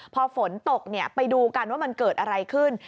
พอฝนตกไปดูกันว่ามันเกิดอะไรขึ้น